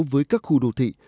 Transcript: với các khu đô thị